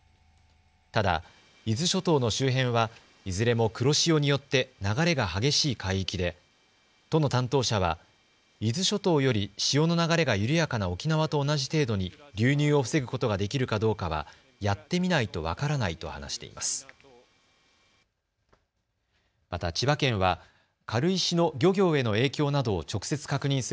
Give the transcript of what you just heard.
ただ伊豆諸島の周辺はいずれも黒潮によって流れが激しい海域で都の担当者は伊豆諸島より潮の流れが緩やかな沖縄と同じ程度に流入を防ぐことができるかどうかは、やってみないと分からないと話しています。